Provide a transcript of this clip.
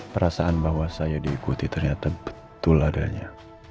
perasaan bahwa saya diikuti ternyata betul adanya